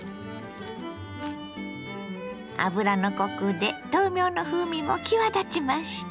油のコクで豆苗の風味も際立ちました。